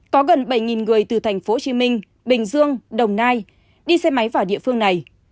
có gần bảy người từ thành phố hồ chí minh bình dương đồng nai đi xe máy vào địa phương này